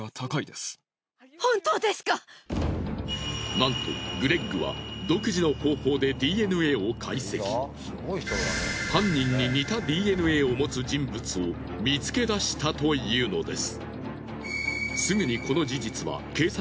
なんとグレッグは犯人に似たＤＮＡを持つ人物を見つけ出したというのです。